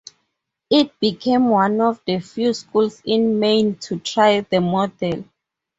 It became one of the few schools in Maine to try the model.